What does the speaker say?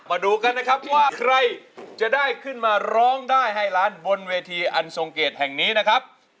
มาดูกันนะครับว่าใครจะได้ขึ้นมาร้องได้ให้ล้านบนเวทีอันทรงเกตแห่งนี้นะครับ